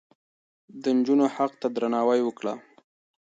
د نجونو حق ته درناوی وکړه.